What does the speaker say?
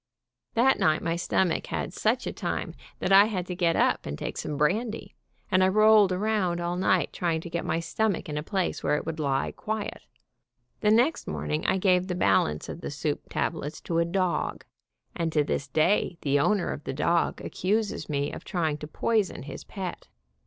That night my stomach had such a time that I had to get up and take some brandy, and I rolled around all night, trying to get my stomach in a place where it would lie quiet. The next morning I gave the balance of the soup tablets to a dog, and to this day the owner of the dog accuses me of try ing to poison his pet.